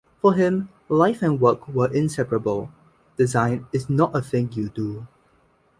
For him, life and work were inseparable: Design is not a thing you do.